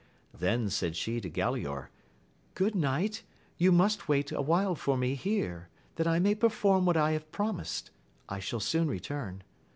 Then said she to Galaor, Good knight, you must wait awhile for me here, that I may perform what I have promised ; I shall soon return.